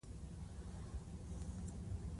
د موبایل کمره ښه ده؟